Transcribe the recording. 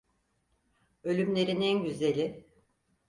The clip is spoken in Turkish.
Ölümlerin en güzeli...